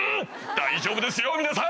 大丈夫ですよ皆さん！